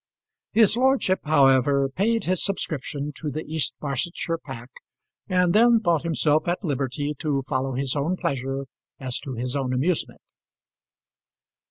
His lordship, however, paid his subscription to the East Barsetshire pack, and then thought himself at liberty to follow his own pleasure as to his own amusement.